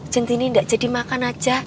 cintinny gak jadi makan aja